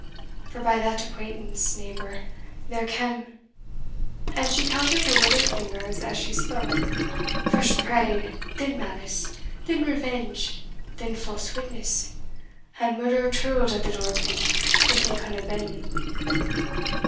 for by that acquaintance, neighbour, their cam," and she counted her withered fingers as she spoke "first Pride, then Malice, then Revenge, then False Witness; and Murder tirl'd at the door pin, if he camna ben.